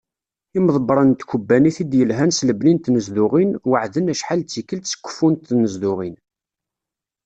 Imḍebbren n tkkebanit i d-yelhan s lebni n tnezduɣin, weɛden acḥal d tikelt s keffu n tnezduɣin.